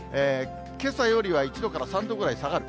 けさよりは１度から３度ぐらい下がる。